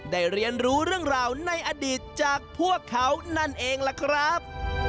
ได้เรียนรู้เรื่องราวในอดีตจากพวกเขานั่นเองล่ะครับ